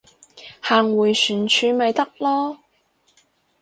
行迴旋處咪得囉